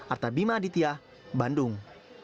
artabima aditya bandung